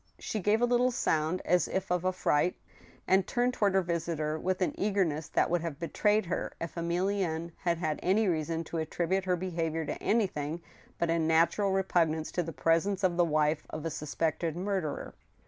She gave a little sound as if of affright, and turned toward her visitor with an eagerness that would have betrayed her if Emilienne had had any reason to attribute her behavior to anything but a natural repugnance to the presence of th^ wife of a suspected murderer.